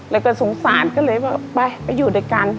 แล้วก็สงสารก็เลยว่าไปไปอยู่ด้วยกัน